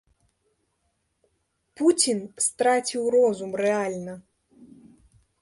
Пуцін страціў розум рэальна!